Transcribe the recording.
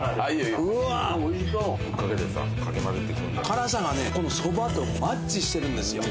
辛さがねこのそばとマッチしてるんですよ。